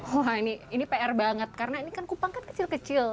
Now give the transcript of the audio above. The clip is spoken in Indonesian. wah ini pr banget karena ini kan kupang kan kecil kecil